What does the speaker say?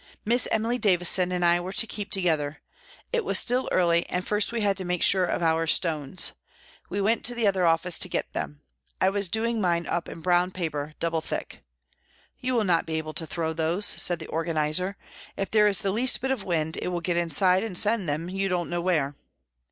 Miss Emily Davison and I were to keep together. It was still early, and first we had to make sure of our stones. We went to the other office to get them. I was doing up mine in brown paper, double thick. " You will not be able to throw those," said the organiser, " if there is the least bit of wind, it will get inside and send them you don't know where."